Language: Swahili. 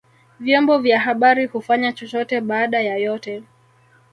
vyombo vya habari hufanya chochote baada ya yote